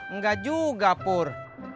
enggak juga pur